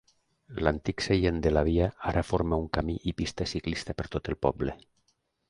L'antic seient de la via ara forma un camí i pista ciclista per tot el poble.